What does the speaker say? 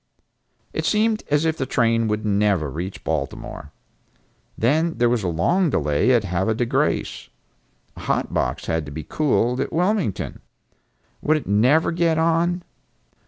It seemed as if the train would never reach Baltimore. Then there was a long delay at Havre de Grace. A hot box had to be cooled at Wilmington. Would it never get on?